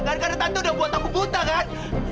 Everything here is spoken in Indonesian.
kan karena tante udah buat aku buta kan